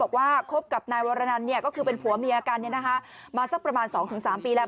บอกว่าคบกับนายวรรณั่นเนี่ยก็คือเป็นผัวเมียกันนะฮะมาซักประมาณ๒ถึง๓ปีแล้ว